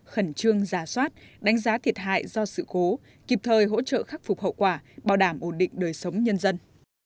khẩn trương giả soát đánh giá thiệt hại do sự cố kịp thời hỗ trợ khắc phục hậu quả bảo đảm ổn định đời sống nhân dân